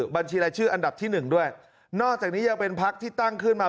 บัญชีรายชื่ออันดับที่หนึ่งด้วยนอกจากนี้ยังเป็นพักที่ตั้งขึ้นมา